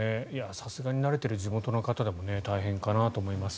さすがに慣れている地元の方でも大変かなと思います。